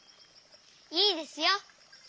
いいですよ。